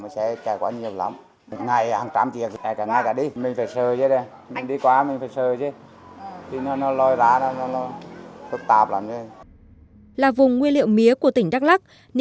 xe nặng xe chạy quá nhiều lắm